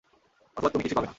অথবা তুমি কিছুই পাবে না।